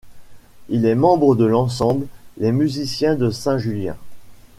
Il est membre de l’ensemble Les Musiciens de Saint-Julien.